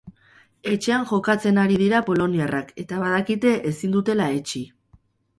Etxean jokatzen ari dira poloniarrak eta badakite ezin dutela etsi.